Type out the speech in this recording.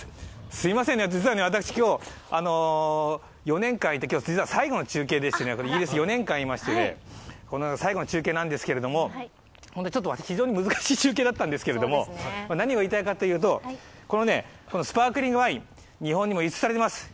すいませんね、実は私、今日、４年間いて今日が最後の中継でして、イギリスに４年間いまして、最後の中継なんですけれども、本当に、非常に難しい中継だったんですけど何が言いたかったのかというとこのスパークリングワイン、日本にも輸出されています。